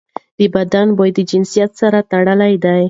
د بدن بوی د جنسیت سره تړلی دی.